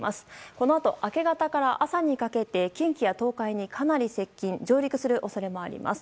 このあと、明け方から朝にかけて近畿や東海にかなり接近・上陸する恐れもあります。